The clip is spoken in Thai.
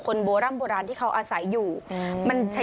ต้องใช้ใจฟัง